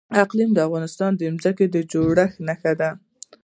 اقلیم د افغانستان د ځمکې د جوړښت نښه ده.